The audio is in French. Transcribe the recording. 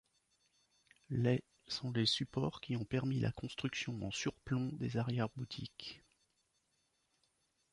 Les sont les supports qui ont permis la construction en surplomb des arrière-boutiques.